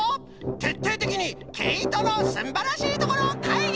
てっていてきにけいとのすんばらしいところかいぎ！